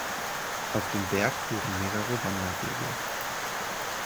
Auf den Berg führen mehrere Wanderwege.